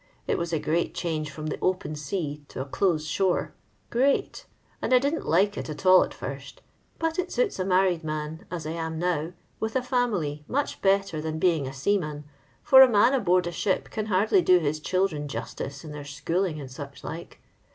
It was a great change from the open sea to a close shore — great; and I didn't like it at all at first. Bat it tuts a married man, as I am now, with a fiunily, mick better than being a seaman, for a man aboard a M^ can hardly do bis children jostice In their ■^*"mJ^| and such like.